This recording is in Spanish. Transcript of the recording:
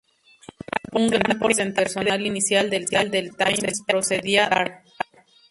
Un gran porcentaje del personal inicial del Times procedía del Star.